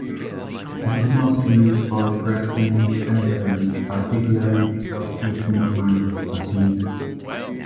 It is mostly used for pre-screening the elderly, particularly because it minimizes fatigue.